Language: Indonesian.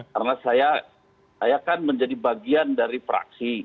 karena saya saya kan menjadi bagian dari fraksi